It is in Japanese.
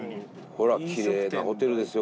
ほらキレイなホテルですよ